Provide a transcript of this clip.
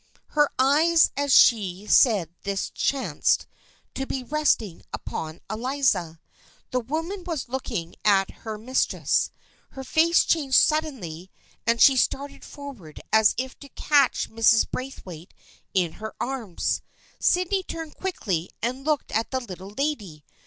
Her eyes as she said this chanced to be resting upon Eliza. The woman was looking at her mis tress. Her face changed suddenly and she started forward as if to catch Mrs. Braithwaite in her arms. Sydney turned quickly and looked at the Little Lady.